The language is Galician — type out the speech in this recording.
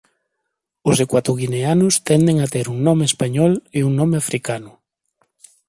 Os ecuatoguineanos tenden a ter un nome español e un nome africano.